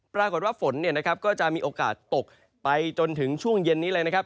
ปรากฏว่าฝนเนี่ยนะครับก็จะมีโอกาสตกไปจนถึงช่วงเย็นนี้เลยนะครับ